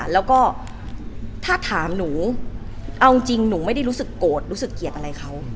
แล้วก็ถ้าถามหนูเอาจริงหนูไม่ได้รู้สึกโกรธรู้สึกเกลียดอะไรเขา